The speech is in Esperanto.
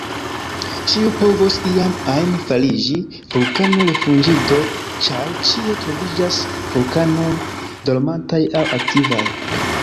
Ĉiu povos iam ajn fariĝi vulkano-rifuĝinto, ĉar ĉie troviĝas vulkanoj dormantaj aŭ aktivaj.